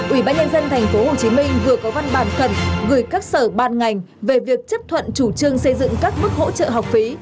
ủy ban nhân dân tp hcm vừa có văn bản khẩn gửi các sở ban ngành về việc chấp thuận chủ trương xây dựng các mức hỗ trợ học phí